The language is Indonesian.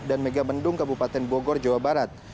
dan megabendung kabupaten bogor jawa barat